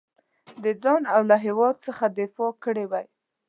د ځان او له هیواد څخه دفاع کړې وای.